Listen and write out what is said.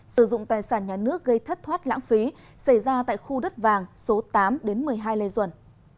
sử dụng tài sản nhà nước gây thất thoát lãng phí xảy ra tại khu đất vàng số tám một mươi hai lê duẩn